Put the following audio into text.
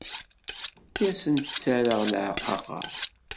Ur asen-ttarraɣ leɛqaqer.